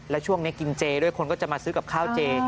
แล้วช่วงนี้กินเจด้วยคนก็จะมาซื้อกับข้าวเจ